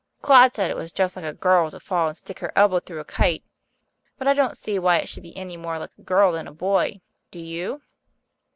Claude said it was just like a girl to fall and stick her elbow through a kite, but I don't see why it should be any more like a girl than a boy. Do you?